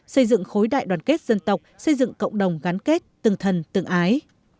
xây dựng khối đại đoàn kết dân tộc xây dựng cộng đồng gắn kết từng thần từng ái